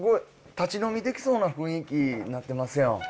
立ち飲みできそうな雰囲気になってますやん。